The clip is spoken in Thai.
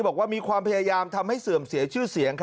บอกว่ามีความพยายามทำให้เสื่อมเสียชื่อเสียง